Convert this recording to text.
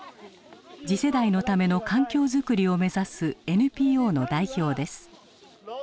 次世代のための環境作りを目指すＮＰＯの代表です。